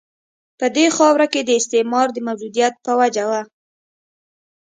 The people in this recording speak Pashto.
په دې خاورو کې د استعمار د موجودیت په وجه وه.